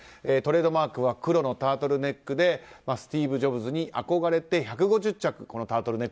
トレードマークは黒のタートルネックでスティーブ・ジョブズに憧れて１５０着持っている。